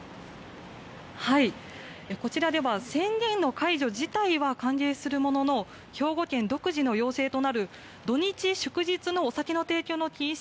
こちらでは宣言の解除自体は歓迎するものの兵庫県独自の要請となる土日祝日のお酒の提供の禁止